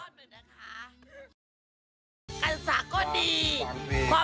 ปูดหัวปูดหัวเขาไม่เอา